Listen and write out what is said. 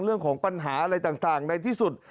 เรื่องของปัญหาอะไรต่างในที่สุด